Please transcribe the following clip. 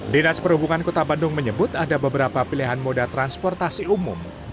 dinas perhubungan kota bandung menyebut ada beberapa pilihan moda transportasi umum